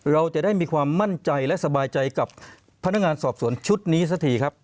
เราจะได้มีความมั่นใจและสบายใจกับพนักงานสอบสวนชุดนี้สักทีครับ